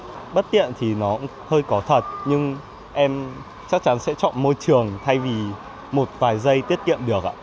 và bất tiện thì nó hơi có thật nhưng em chắc chắn sẽ chọn môi trường thay vì một vài giây tiết kiệm được